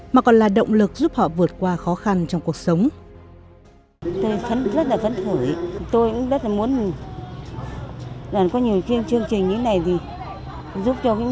mà còn là động lực giúp họ vượt qua khó khăn trong cuộc sống